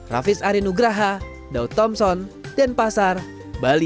raffis arinugraha daud thompson denpasar bali